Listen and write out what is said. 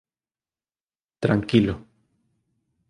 Tranquilo.